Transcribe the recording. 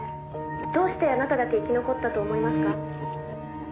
「どうしてあなただけ生き残ったと思いますか？」